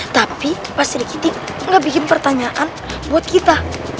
tapi pas rikiti gak bikin pertanyaan buat kita